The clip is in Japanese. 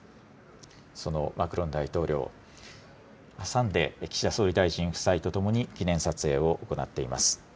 そのマクロン大統領挟んで岸田総理大臣夫妻と共に記念撮影を行っています。